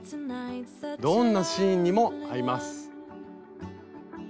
どんなシーンにも合います。